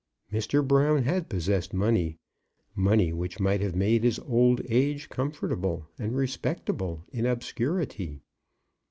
Mr. Brown had possessed money, money which might have made his old age comfortable and respectable in obscurity.